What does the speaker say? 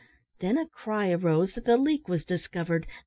Then a cry arose that the leak was discovered!